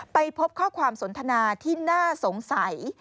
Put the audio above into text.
ไปพบข้อความสนทนาที่น่าสงสัย